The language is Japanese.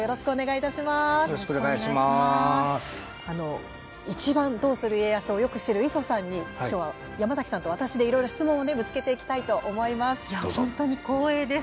いちばん「どうする家康」をよく知る磯さんに、今日は山崎さんと私で、いろいろ質問をぶつけていきたいと思います。